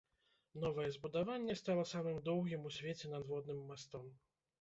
Новае збудаванне стала самым доўгім у свеце надводным мастом.